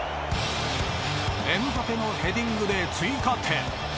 エムバペのヘディングで追加点。